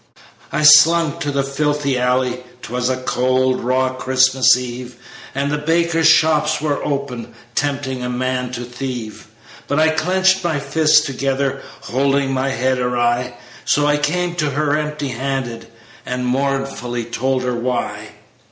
"I slunk to the filthy alley 'Twas a cold, raw Christmas eve And the bakers' shops were open, Tempting a man to thieve; But I clenched my fists together, Holding my head awry, So I came to her empty handed And mournfully told her why.